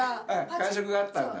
感触があったんだ。